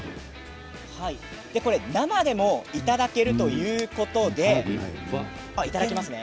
これは生でもいただけるということでいただきますね。